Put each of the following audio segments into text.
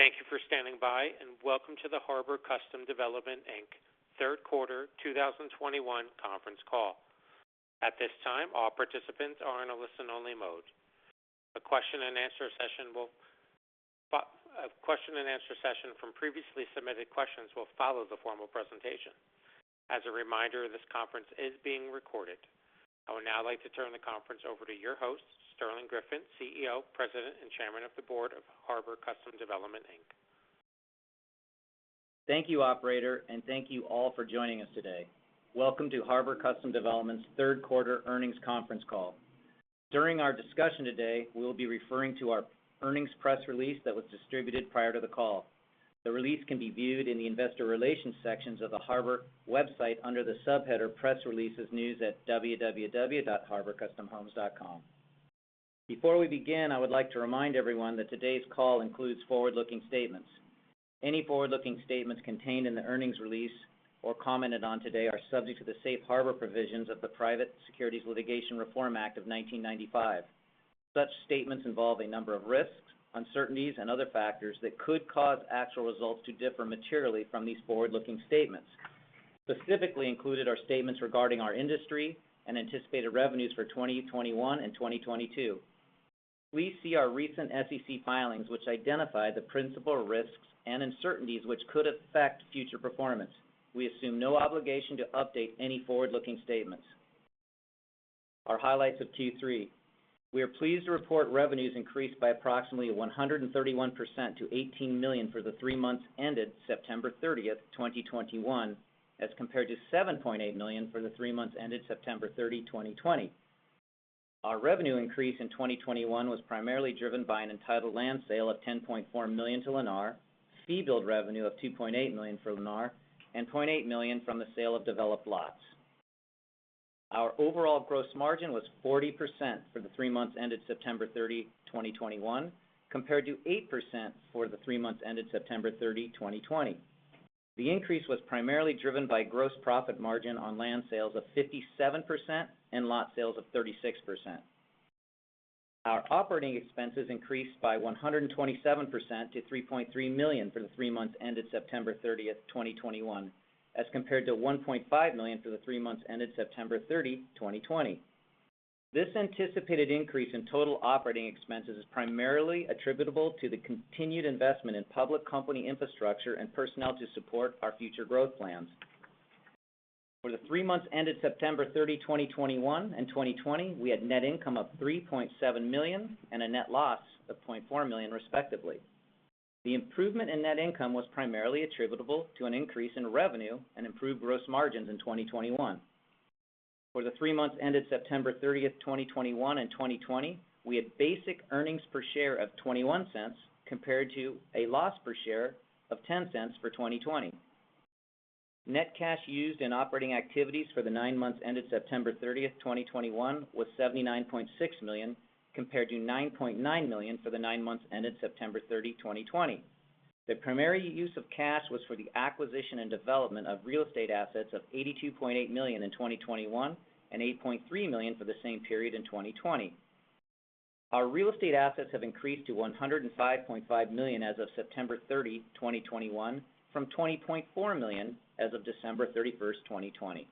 Thank you for standing by, and welcome to the Harbor Custom Development, Inc. Q3 2021 Conference Call. At this time, all participants are in a listen-only mode. A question-and-answer session from previously submitted questions will follow the formal presentation. As a reminder, this conference is being recorded. I would now like to turn the conference over to your host, Sterling Griffin, CEO, President, and Chairman of the Board of Harbor Custom Development, Inc. Thank you, operator, and thank you all for joining us today. Welcome to Harbor Custom Development's Q3 Earnings Conference Call. During our discussion today, we will be referring to our earnings press release that was distributed prior to the call. The release can be viewed in the investor relations sections of the Harbor website under the subheader Press Releases News at www.harborcustomdev.com. Before we begin, I would like to remind everyone that today's call includes forward-looking statements. Any forward-looking statements contained in the earnings release or commented on today are subject to the Safe Harbor provisions of the Private Securities Litigation Reform Act of 1995. Such statements involve a number of risks, uncertainties, and other factors that could cause actual results to differ materially from these forward-looking statements. Specifically included are statements regarding our industry and anticipated revenues for 2021 and 2022. Please see our recent SEC filings, which identify the principal risks and uncertainties which could affect future performance. We assume no obligation to update any forward-looking statements. Our highlights of Q3. We are pleased to report revenues increased by approximately 131% to $18 million for the three months ended September 30, 2021, as compared to $7.8 million for the three months ended September 30, 2020. Our revenue increase in 2021 was primarily driven by an entitled land sale of $10.4 million to Lennar, fee build revenue of $2.8 million for Lennar, and $0.8 million from the sale of developed lots. Our overall gross margin was 40% for the three months ended September 30, 2021, compared to 8% for the three months ended September 30, 2020. The increase was primarily driven by gross profit margin on land sales of 57% and lot sales of 36%. Our operating expenses increased by 127% to $3.3 million for the three months ended September 30th, 2021, as compared to $1.5 million for the three months ended September 30, 2020. This anticipated increase in total operating expenses is primarily attributable to the continued investment in public company infrastructure and personnel to support our future growth plans. For the three months ended September 30, 2021 and 2020, we had net income of $3.7 million and a net loss of $0.4 million, respectively. The improvement in net income was primarily attributable to an increase in revenue and improved gross margins in 2021. For the three months ended September 30, 2021 and 2020, we had basic earnings per share of $0.21 compared to a loss per share of $0.10 for 2020. Net cash used in operating activities for the nine months ended September 30, 2021 was $79.6 million, compared to $9.9 million for the nine months ended September 30, 2020. The primary use of cash was for the acquisition and development of real estate assets of $82.8 million in 2021 and $8.3 million for the same period in 2020. Our real estate assets have increased to $105.5 million as of September 30, 2021, from $20.4 million as of December 31st, 2020.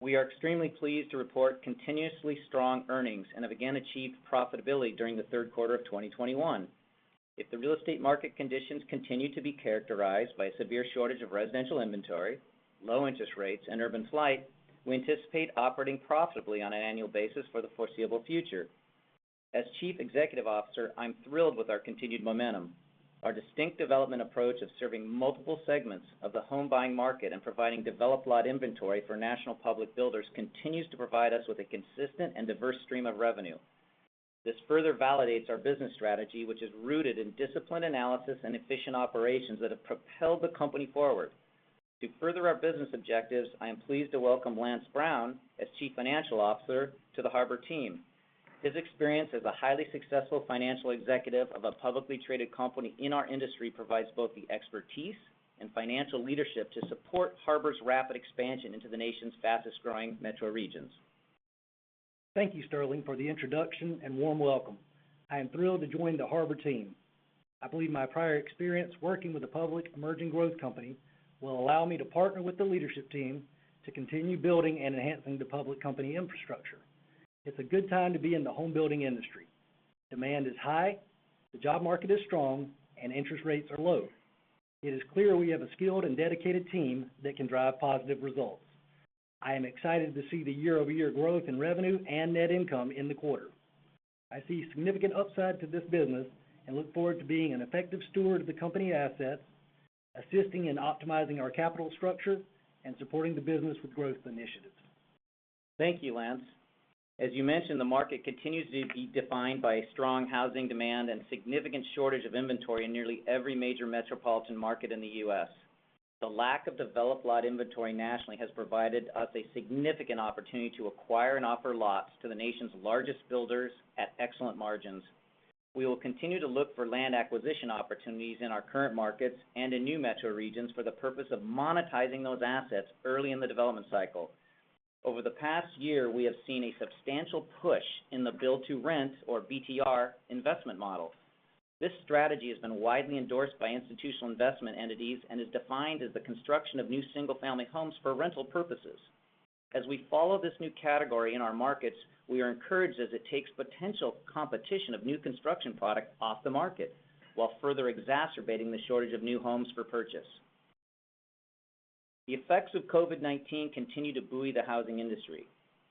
We are extremely pleased to report continuously strong earnings and have again achieved profitability during the Q3 of 2021. If the real estate market conditions continue to be characterized by a severe shortage of residential inventory, low interest rates, and urban flight, we anticipate operating profitably on an annual basis for the foreseeable future. As Chief Executive Officer, I'm thrilled with our continued momentum. Our distinct development approach of serving multiple segments of the home buying market and providing developed lot inventory for national public builders continues to provide us with a consistent and diverse stream of revenue. This further validates our business strategy, which is rooted in disciplined analysis and efficient operations that have propelled the company forward. To further our business objectives, I am pleased to welcome Lance Brown as Chief Financial Officer to the Harbor team. His experience as a highly successful financial executive of a publicly traded company in our industry provides both the expertise and financial leadership to support Harbor's rapid expansion into the nation's fastest-growing metro regions. Thank you, Sterling, for the introduction and warm welcome. I am thrilled to join the Harbor team. I believe my prior experience working with a public emerging growth company will allow me to partner with the leadership team to continue building and enhancing the public company infrastructure. It's a good time to be in the home building industry. Demand is high, the job market is strong, and interest rates are low. It is clear we have a skilled and dedicated team that can drive positive results. I am excited to see the year-over-year growth in revenue and net income in the quarter. I see significant upside to this business and look forward to being an effective steward of the company assets, assisting in optimizing our capital structure, and supporting the business with growth initiatives. Thank you, Lance. As you mentioned, the market continues to be defined by strong housing demand and significant shortage of inventory in nearly every major metropolitan market in the U.S. The lack of developed lot inventory nationally has provided us a significant opportunity to acquire and offer lots to the nation's largest builders at excellent margins. We will continue to look for land acquisition opportunities in our current markets and in new metro regions for the purpose of monetizing those assets early in the development cycle. Over the past year, we have seen a substantial push in the build-to-rent, or BTR, investment model. This strategy has been widely endorsed by institutional investment entities and is defined as the construction of new single-family homes for rental purposes. As we follow this new category in our markets, we are encouraged as it takes potential competition of new construction product off the market, while further exacerbating the shortage of new homes for purchase. The effects of COVID-19 continue to buoy the housing industry.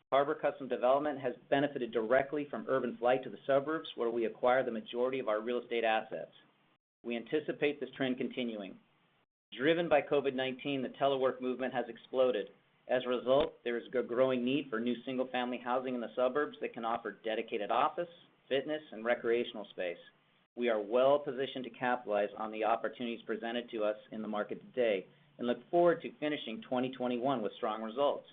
Harbor Custom Development has benefited directly from urban flight to the suburbs, where we acquire the majority of our real estate assets. We anticipate this trend continuing. Driven by COVID-19, the telework movement has exploded. As a result, there is a growing need for new single-family housing in the suburbs that can offer dedicated office, fitness, and recreational space. We are well-positioned to capitalize on the opportunities presented to us in the market today and look forward to finishing 2021 with strong results.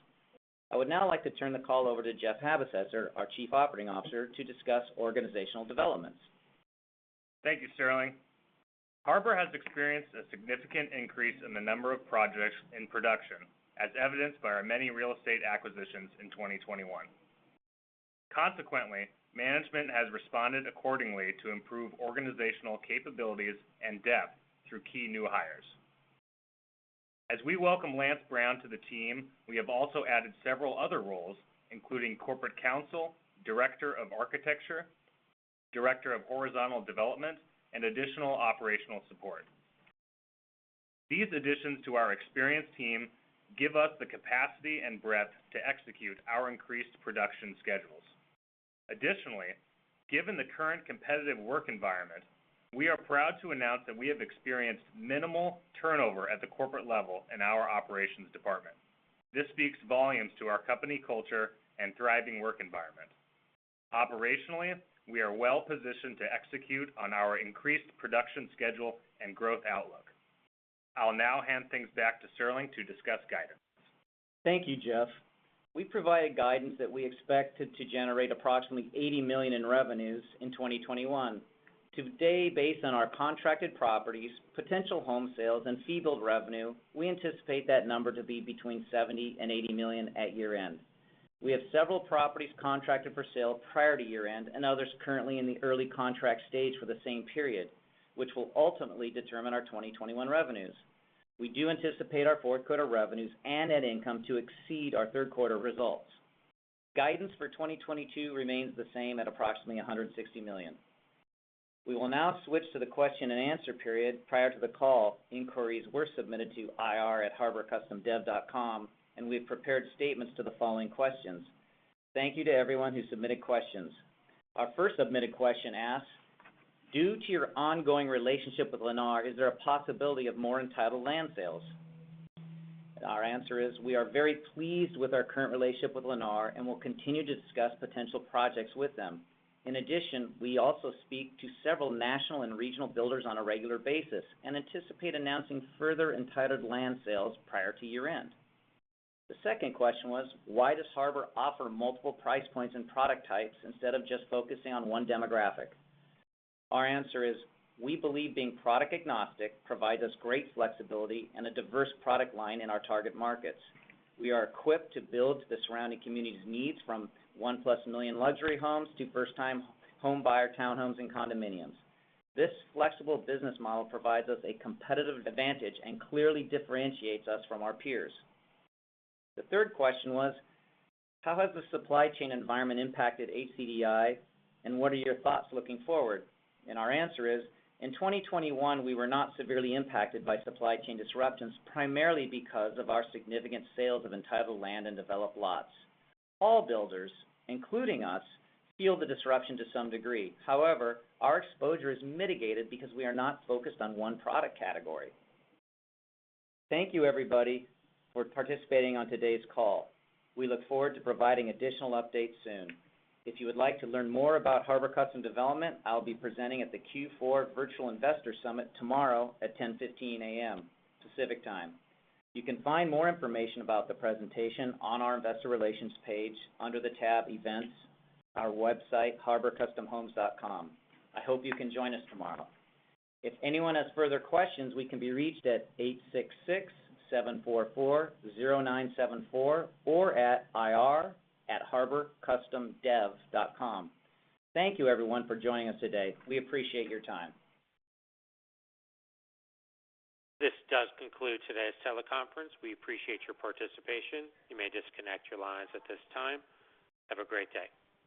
I would now like to turn the call over to Jeff Habersetzer, our Chief Operating Officer, to discuss organizational developments. Thank you, Sterling. Harbor has experienced a significant increase in the number of projects in production, as evidenced by our many real estate acquisitions in 2021. Consequently, management has responded accordingly to improve organizational capabilities and depth through key new hires. As we welcome Lance Brown to the team, we have also added several other roles, including Corporate Counsel, Director of Architecture, Director of Horizontal Development, and additional operational support. These additions to our experienced team give us the capacity and breadth to execute our increased production schedules. Additionally, given the current competitive work environment, we are proud to announce that we have experienced minimal turnover at the corporate level in our operations department. This speaks volumes to our company culture and thriving work environment. Operationally, we are well positioned to execute on our increased production schedule and growth outlook. I'll now hand things back to Sterling to discuss guidance. Thank you, Jeff. We provided guidance that we expected to generate approximately $80 million in revenues in 2021. Today, based on our contracted properties, potential home sales, and fee build revenue, we anticipate that number to be between $70 million and $80 million at year-end. We have several properties contracted for sale prior to year-end and others currently in the early contract stage for the same period, which will ultimately determine our 2021 revenues. We do anticipate our Q4 revenues and net income to exceed our Q3 results. Guidance for 2022 remains the same at approximately $160 million. We will now switch to the question-and-answer period. Prior to the call, inquiries were submitted to ir@harborcustomdev.com, and we have prepared statements to the following questions. Thank you to everyone who submitted questions. Our first submitted question asks, "Due to your ongoing relationship with Lennar, is there a possibility of more entitled land sales?" Our answer is we are very pleased with our current relationship with Lennar and will continue to discuss potential projects with them. In addition, we also speak to several national and regional builders on a regular basis and anticipate announcing further entitled land sales prior to year-end. The second question was, "Why does Harbor offer multiple price points and product types instead of just focusing on one demographic?" Our answer is, we believe being product agnostic provides us great flexibility and a diverse product line in our target markets. We are equipped to build the surrounding community's needs from one-plus million luxury homes to first-time home buyer townhomes and condominiums. This flexible business model provides us a competitive advantage and clearly differentiates us from our peers. The third question was, "How has the supply chain environment impacted HCDI, and what are your thoughts looking forward?" Our answer is, in 2021, we were not severely impacted by supply chain disruptions, primarily because of our significant sales of entitled land and developed lots. All builders, including us, feel the disruption to some degree. However, our exposure is mitigated because we are not focused on one product category. Thank you, everybody, for participating on today's call. We look forward to providing additional updates soon. If you would like to learn more about Harbor Custom Development, I'll be presenting at the Q4 Virtual Investor Summit tomorrow at 10:15 A.M. Pacific Time. You can find more information about the presentation on our investor relations page under the tab Events on our website, harborcustomdev.com. I hope you can join us tomorrow. If anyone has further questions, we can be reached at 866-744-0974 or at ir@harborcustomdev.com. Thank you everyone for joining us today. We appreciate your time. This does conclude today's teleconference. We appreciate your participation. You may disconnect your lines at this time. Have a great day.